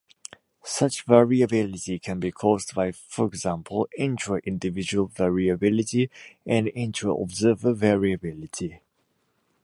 Such variability can be caused by, for example, intra-individual variability and intra-observer variability.